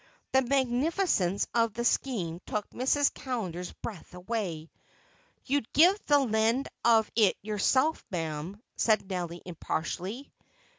The magnificence of the scheme took Mrs. Callender's breath away. "You'd give the lend of it yourself, ma'am," said Nelly impartially.